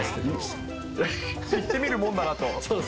言ってみるもんだなと。